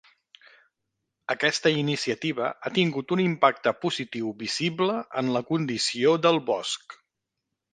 Aquesta iniciativa ha tingut un impacte positiu visible en la condició del bosc.